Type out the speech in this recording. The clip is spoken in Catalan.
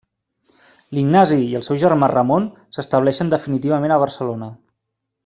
Ignasi i el seu germà Ramon s'estableixen definitivament a Barcelona.